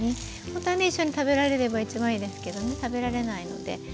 ほんとはね一緒に食べられれば一番いいですけどね食べられないので。